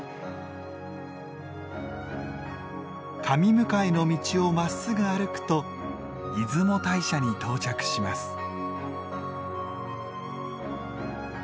神迎の道をまっすぐ歩くと出雲大社に到着します。